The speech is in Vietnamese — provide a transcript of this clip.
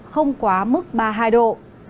không quá mức ba mươi hai độ